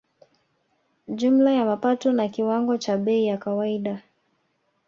Jumla ya mapato na kiwango cha bei ya kawaida